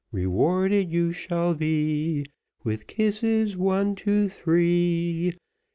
Rewarded you shall be, With kisses one, two, three.